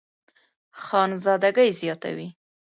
خانزادګۍ زياتوي